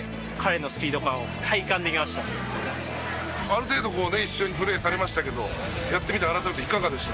ある程度一緒にプレーされましたけどやってみて改めていかがでした？